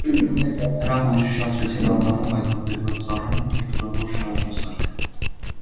Նրանք ոչնչացրեցին անտառում հայտնաբերված ծառերն ու թրթուրավոր շարժասարք։